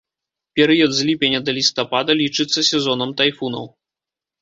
Перыяд з ліпеня да лістапада лічыцца сезонам тайфунаў.